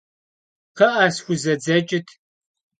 Kxhı'e, sxuezedzeç'ıt!